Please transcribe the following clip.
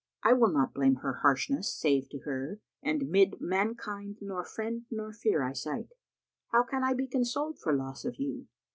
I will not blame her harshness save to her, * And 'mid mankind nor friend nor fere I sight: How can I be consoled for loss of you?